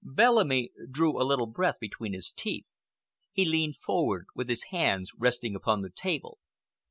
Bellamy drew a little breath between his teeth. He leaned forward with his hands resting upon the table.